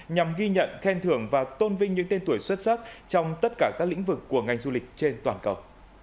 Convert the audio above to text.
nhằm ghi nhận khen thưởng và tôn vinh những tên tuổi xuất sắc trong tất cả các lĩnh vực của ngành du lịch trên toàn cầu